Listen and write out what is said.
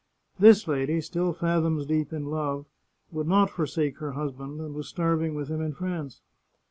This lady, still fathoms deep in love, would not forsake her husband, and was starving with him in France.